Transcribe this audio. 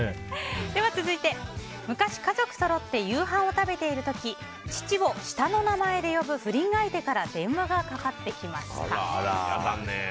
続いて昔、家族そろって夕飯を食べている時父を下の名前で呼ぶ不倫相手から電話がかかってきました。